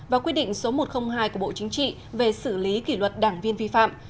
và quy định số một trăm linh hai của bộ chính trị về xử lý kỷ luật đảng viên vi phạm